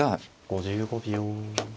５５秒。